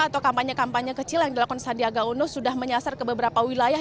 atau kampanye kampanye kecil yang dilakukan sandiaga uno sudah menyasar ke beberapa wilayah